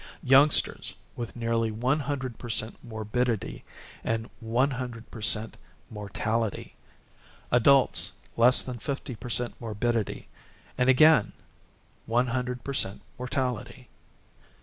Youngsters with nearly one hundred per cent morbidity and one hundred per cent mortality. Adults less than fifty per cent morbidity and again one hundred per cent mortality.